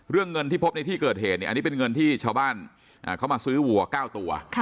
เรื่องเงินที่พบในที่เกิดเหตุอันนี้เป็นเงินที่ชาวบ้านเขามาซื้อวัว๙ตัว